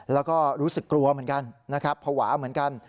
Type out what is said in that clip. แล้วก็รู้สึกกลัวเหมือนกันนะครับภาวะเหมือนกัน